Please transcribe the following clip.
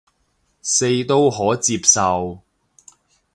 四都可接受